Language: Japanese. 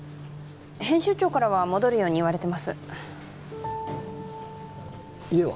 編集長からは戻るように言われてます家は？